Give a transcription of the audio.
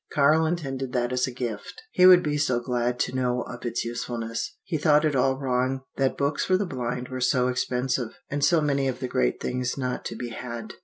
Karl intended that as a gift. He would be so glad to know of its usefulness. He thought it all wrong that books for the blind were so expensive, and so many of the great things not to be had.